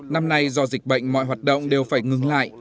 năm nay do dịch bệnh mọi hoạt động đều phải ngừng lại